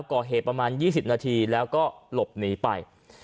ก่อเหตุประมาณ๒๐นาทีแล้วก็หลบหนีไป